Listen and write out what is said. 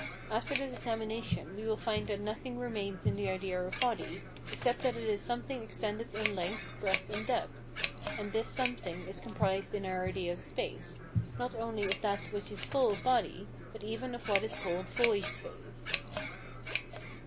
After this examination we will find that nothing remains in the idea of body, except that it is something extended in length, breadth, and depth; and this something is comprised in our idea of space, not only of that which is full of body, but even of what is called void space.